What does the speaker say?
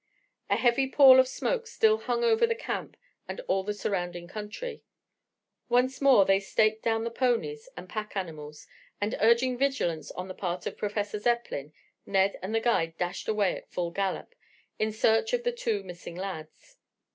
A heavy pall of smoke still hung over the camp and all the surrounding country. Once more they staked down the ponies and pack animals, and urging vigilance on the part of Professor Zepplin, Ned and the guide dashed away at full gallop in search of the two missing lads.